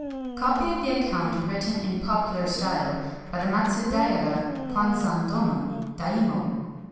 6. — [Copy of the Account written in Pop ular Style by Matsudaira Kwanzan DoNO, Daimyo.